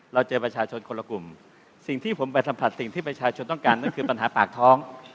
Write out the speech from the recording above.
เราเจอประชาชนคนละกลุ่มสิ่งที่ผมไปสัมผัสสิ่งที่ประชาชนต้องการนั่นคือปัญหาปากท้อง